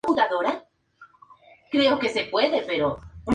Tienen desde juveniles hasta debutantes.